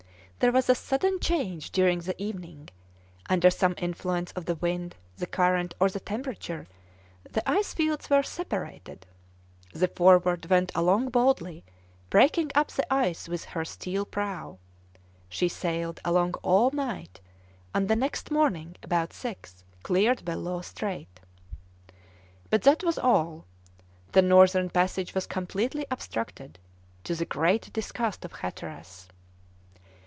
There was a sudden change during the evening; under some influence of the wind, the current, or the temperature, the ice fields were separated; the Forward went along boldly, breaking up the ice with her steel prow; she sailed along all night, and the next morning about six cleared Bellot Strait. But that was all; the northern passage was completely obstructed to the great disgust of Hatteras.